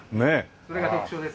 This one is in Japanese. それが特徴です。